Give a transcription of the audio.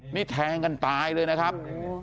นี่แทงกันตายเลยนะครับ